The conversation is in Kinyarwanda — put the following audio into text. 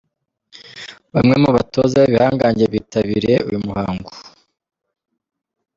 Bamwe mu batoza b’ibihangange bitabiriye uyu muhango.